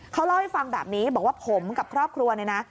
เขาเล่าให้ฟังแบบนี้บอกว่าผมกับครอบครัวเนี่ยนะ